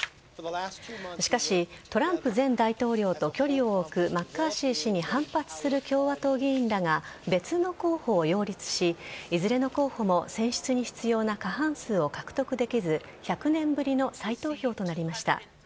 しかしトランプ前大統領と距離を置くマッカーシー氏に反発する共和党議員らが別の候補を擁立しいずれの候補も選出に必要な過半数を獲得できず１００年ぶりの再投票となりました。